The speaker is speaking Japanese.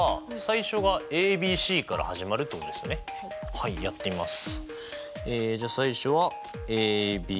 はいやってみます。